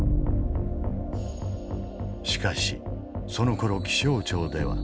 しかしそのころ気象庁では。